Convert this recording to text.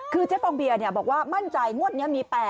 คือเจ๊ฟองเบียบอกว่ามั่นใจงวดนี้มี๘